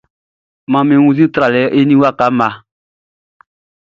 Manmi wunnzin tralɛ eni waka mma.